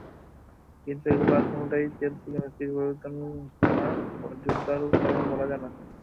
কিন্তু এগুলোর কোনোটাই চেলসিকে মেসির পরবর্তী ঠিকানা হওয়ার জোরদার কারণ বলা যায় না।